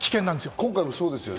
今回もそうですよね。